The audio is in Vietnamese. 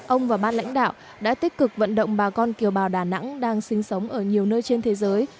ông và ban lãnh đạo đã tích cực vận động bà con kiều bào đà nẵng đang sinh sống ở nhiều nơi trên thế giới